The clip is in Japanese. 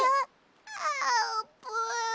あーぷん。